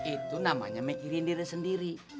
itu namanya mikirin diri sendiri